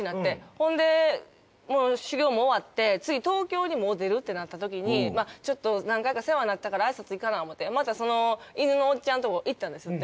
ほんでもう修行も終わって次東京にもう出るってなったときにちょっと何回か世話になったから挨拶行かな思ってまたその犬のおっちゃんとこ行ったんですって。